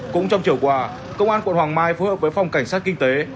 cũng trong chiều qua công an quận hoàng mai phối hợp với phòng cảnh sát kinh tế